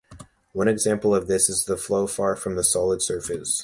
One example of this is the flow far from solid surfaces.